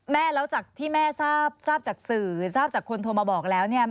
แม่แล้วจากที่แม่ทราบจากสื่อทราบจากคนโทรมาบอกแล้วเนี่ย